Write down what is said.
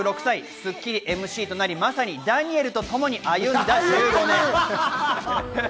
『スッキリ』ＭＣとなり、まさにダニエルとともに歩んだ１５年。